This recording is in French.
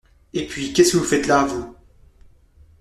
Et puis, qu’est-ce que vous faites là, vous ?